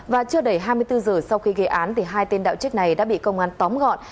và chưa đầy hai mươi bốn giờ sau khi gây án thì hai tên đạo chức này đã bị công an tóm gọn